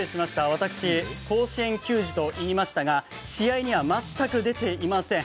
私、甲子園球児といいましたが試合には全く出ていません。